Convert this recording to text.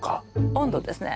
温度ですね。